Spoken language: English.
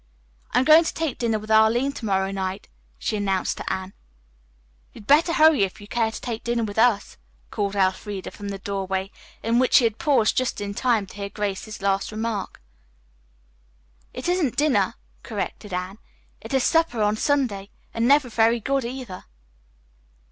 "I'm going to take dinner with Arline to morrow night," she announced to Anne. "You'd better hurry if you care to take dinner with us," called Elfreda from the doorway, in which she had paused just in time to hear Grace's last remark. "It isn't dinner," corrected Anne. "It is supper on Sunday, and never very good, either."